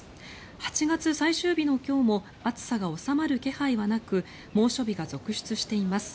８月最終日の今日も暑さが収まる気配はなく猛暑日が続出しています。